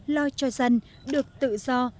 lo cho dân được tự do